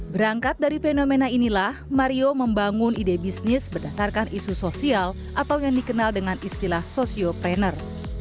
berangkat dari fenomena inilah mario membangun ide bisnis berdasarkan isu sosial atau yang dikenal dengan istilah sosiopreneur